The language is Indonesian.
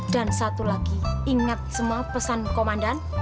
dan satu lagi ingat semua pesan komandan